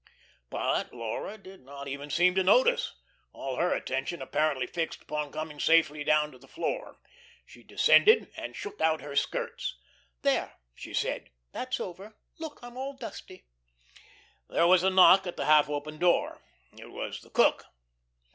But Laura did not even seem to notice, all her attention apparently fixed upon coming safely down to the floor. She descended and shook out her skirts. "There," she said, "that's over with. Look, I'm all dusty." There was a knock at the half open door. It was the cook.